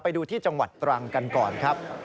ไปดูที่จังหวัดตรังกันก่อนครับ